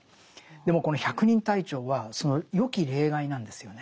でもこの百人隊長はそのよき例外なんですよね。